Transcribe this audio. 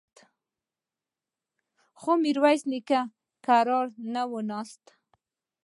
خو ميرويس نيکه کرار نه کېناسته.